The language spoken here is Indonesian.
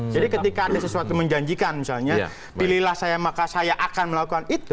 jadi ketika ada sesuatu menjanjikan misalnya pilihlah saya maka saya akan melakukan itu